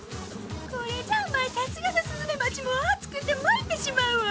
これじゃあまあさすがのスズメバチもあつくてまいってしまうわ。